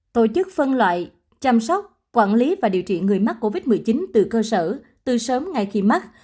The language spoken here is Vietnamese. tổ chức phân loại chăm sóc quản lý và điều trị người mắc covid một mươi chín từ cơ sở từ sớm ngay khi mắc